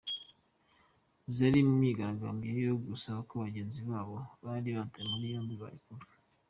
Zari mu myigaragambyo yo gusaba ko bagenzi babo bari batawe muri yombi barekurwa.